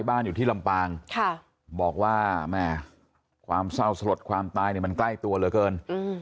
บ้านอยู่ที่ลำปางบอกว่าแม่ความเศร้าสลดความตายเนี่ยมันใกล้ตัวเหลือเกิน